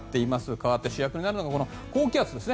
かわって主役になるのが高気圧です。